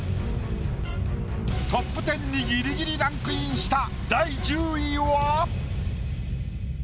トップ１０にギリギリランクインした。